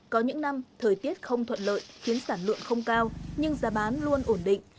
có những năm thời tiết không thuận lợi khiến sản lượng không cao nhưng giá bán luôn ổn định